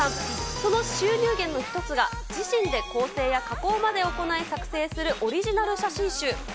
その収入源の一つが、自身で構成や加工まで行い、作製するオリジナル写真集。